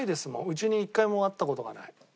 うちに１回もあった事がない。